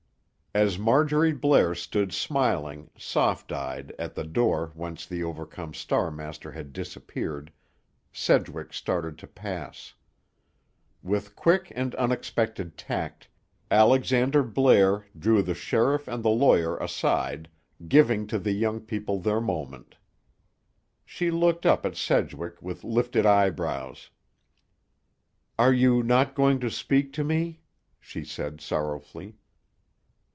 As Marjorie Blair stood smiling, soft eyed, at the door whence the overcome Star master had disappeared, Sedgwick started to pass. With quick and unexpected tact, Alexander Blair drew the sheriff and the lawyer aside, giving to the young people their moment. She looked up at Sedgwick with lifted eyebrows. "Are you not going to speak to me?" she said sorrowfully.